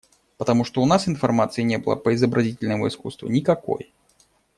Потому что у нас информации не было по изобразительному искусству никакой.